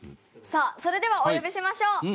さあそれではお呼びしましょう。